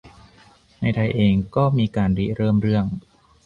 ในไทยเองก็มีการริเริ่มเรื่อง